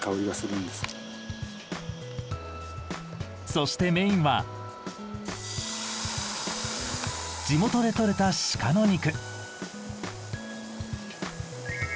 そしてメインは地元でとれた鹿の肉。